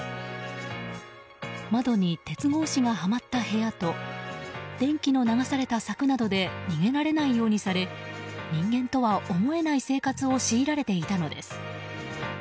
窓に鉄格子がはまった部屋と電気の流された柵などで逃げられないようにされ人間とは思えない生活を強いられていたのです。